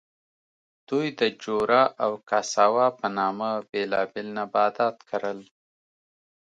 دوی د جورا او کاساوا په نامه بېلابېل نباتات کرل.